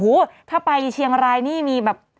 โอ้โหถ้าไปเชียงรายนี่มีแบบ